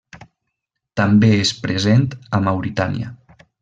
També és present a Mauritània.